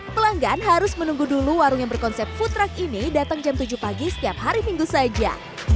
pelanggan harus menunggu dulu warung yang berkonsep food truck ini datang jam tujuh pagi setiap hari minggu saja